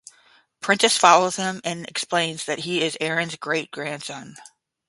Prentice follows him, and explains that he is Aaron's great-grandson.